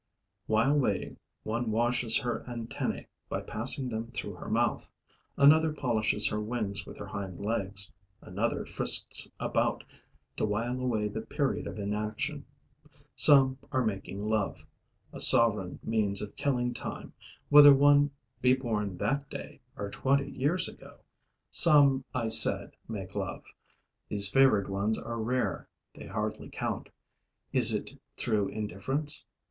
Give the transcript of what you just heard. While waiting, one washes her antennae by passing them through her mouth, another polishes her wings with her hind legs, another frisks about to while away the period of inaction. Some are making love, a sovran means of killing time, whether one be born that day or twenty years ago. Some, I said, make love. These favored ones are rare; they hardly count. Is it through indifference?